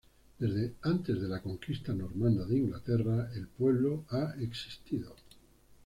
Desde antes de la Conquista normanda de Inglaterra, el pueblo ha existido.